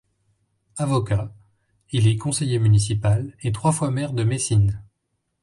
Avocat, il est conseiller municipal et trois fois maire de Messine.